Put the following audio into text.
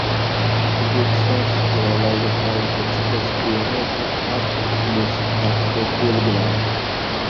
O‘zbekiston fuqarolariga xorijga chiqish biometrik pasportini berish tartibi belgilandi